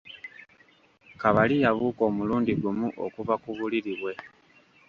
Kabali yabuuka omulundi gumu okuva mu buliri bwe.